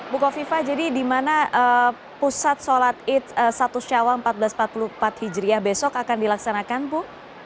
bu kofifa jadi di mana pusat sholat id satu syawal seribu empat ratus empat puluh empat hijriah besok akan dilaksanakan bu